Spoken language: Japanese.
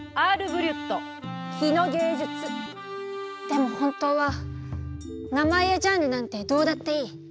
でも本当は名前やジャンルなんてどうだっていい。